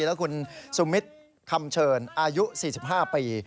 แล้วคุณซุมมิสห่ำเชิญอายุ๔๕ปี